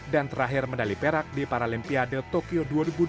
dan terakhir medali perak di paralimpiade tokyo dua ribu dua puluh